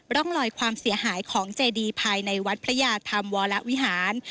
ร่องลอยความเสียหายของเจดีภายในวัดพระยาธรรมวรวิหาร